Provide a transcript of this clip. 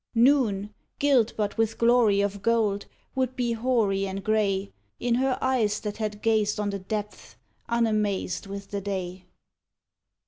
Noon, gilt but with glory of gold, would be hoary and grey In her eyes that had gazed on the depths, unamazed with the day.